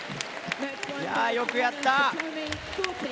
よくやった！